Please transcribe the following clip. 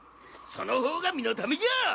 その方が身のためじゃ！